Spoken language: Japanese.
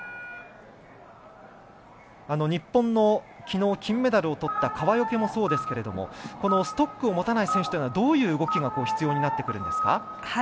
日本のきのう、金メダルをとった川除もそうですけどストックを持たない選手はどういう動きが必要になってくるんですか。